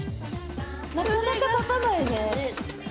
なかなか立たないね。